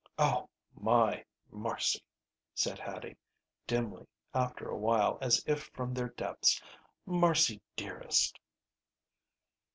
"Oh my Marcy!" said Hattie, dimly, after a while, as if from their depths. "Marcy, dearest!"